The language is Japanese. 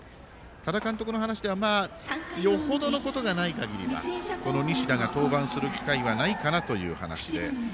多田監督の話ではよほどのことがない限りは西田が登板する機会はないかなという話で。